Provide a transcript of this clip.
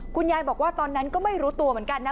คุณยายบอกว่าตอนนั้นก็ไม่รู้ตัวเหมือนกันนะ